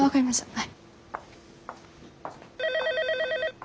はい。